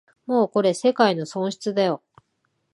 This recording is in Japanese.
もうこれ世界の損失だよ